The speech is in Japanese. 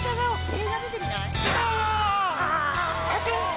映画出てみない？